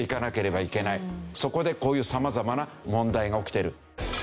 そこでこういう様々な問題が起きてる。